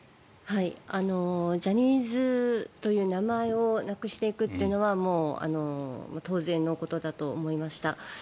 ジャニーズという名前をなくしていくというのは当然のことだと思いました。